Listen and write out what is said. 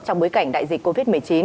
trong bối cảnh đại dịch covid một mươi chín